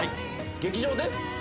劇場で。